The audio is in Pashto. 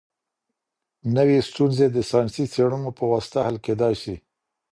نوي ستونزي د ساینسي څېړنو په واسطه حل کيدای سي.